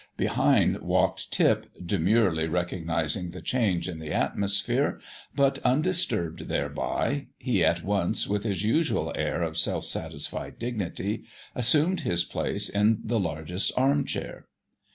Behind walked Tip, demurely recognising the change in the atmosphere, but, undisturbed thereby, he at once, with his usual air of self satisfied dignity, assumed his place in the largest arm chair.